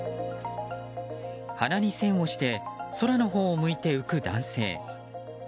鼻に栓をして空のほうを向いて浮く男性。